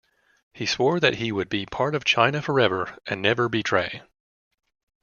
He swore that he would be part of China forever and never betray.